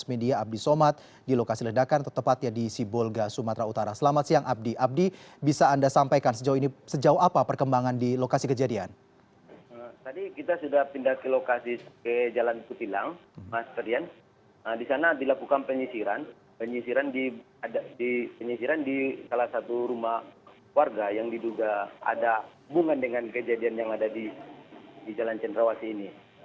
penyisiran di salah satu rumah warga yang diduga ada hubungan dengan kejadian yang ada di jalan centrawasi ini